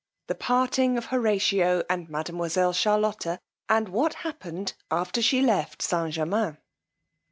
_The parting of Horatio and mademoiselle Charlotta, and what happened after she left St. Germains.